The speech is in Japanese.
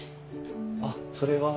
あっそれは？